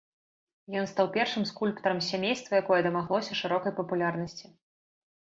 Ён стаў першым скульптарам з сямейства, якое дамаглося шырокай папулярнасці.